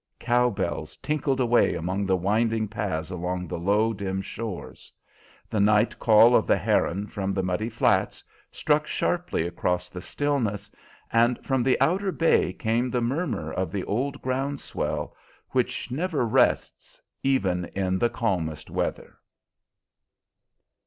Cow bells tinkled away among the winding paths along the low, dim shores. The night call of the heron from the muddy flats struck sharply across the stillness, and from the outer bay came the murmur of the old ground swell, which never rests, even in the calmest weather.